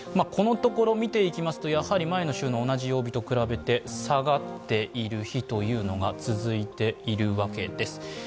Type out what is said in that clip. このところ見ていきますと前の週の同じ曜日と比べて下がっている日というのが続いているわけです。